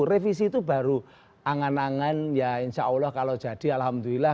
revisi itu baru angan angan ya insya allah kalau jadi alhamdulillah